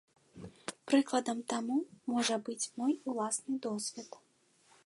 Прыкладам таму можа быць мой уласны досвед.